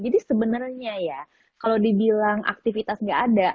jadi sebenarnya ya kalau dibilang aktivitas gak ada